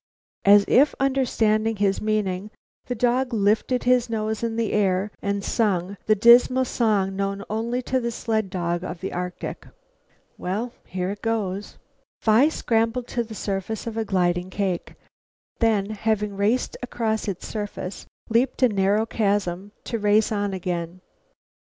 As if understanding his meaning, the dog lifted his nose in air and song, the dismal song known only to the sled dog of the Arctic. "Well here goes!" Phi scrambled to the surface of a gliding cake, then, having raced across its surface, leaped a narrow chasm, to race on again.